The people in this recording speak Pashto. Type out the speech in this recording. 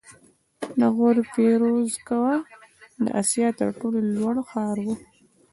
د غور فیروزکوه د اسیا تر ټولو لوړ ښار و